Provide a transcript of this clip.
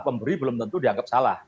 pemberi belum tentu dianggap salah